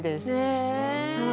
へえ。